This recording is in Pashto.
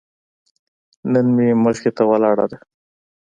نن مې مخې ته ولاړه ده.